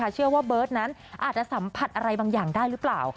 เชื่อว่าเบิร์ตนั้นอาจจะสัมผัสอะไรบางอย่างได้หรือเปล่า